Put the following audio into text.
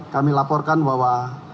kami laporkan bahwa